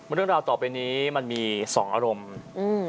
เรื่องราวต่อไปนี้มันมี๒อารมณ์